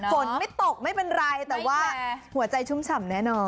ฝนไม่ตกไม่เป็นไรแต่ว่าหัวใจชุ่มฉ่ำแน่นอน